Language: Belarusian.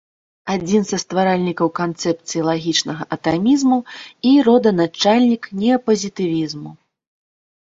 Адзін са стваральнікаў канцэпцыі лагічнага атамізму і роданачальнік неапазітывізму.